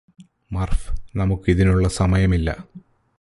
മര്ഫ് നമുക്കിതിനുള്ള സമയമില്ല